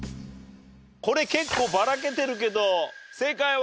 これ結構ばらけてるけど正解は？